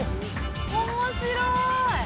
面白い！